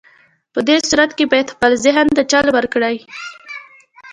په دې صورت کې بايد خپل ذهن ته چل ورکړئ.